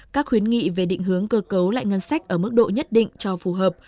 các khuyến nghị về định hướng cơ cấu lại ngân sách ở mức độ nhất định cho phù hợp